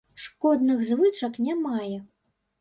Шкодных звычак не мае.